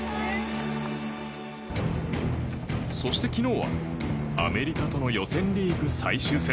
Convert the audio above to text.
そして昨日は、アメリカとの予選リーグ最終戦。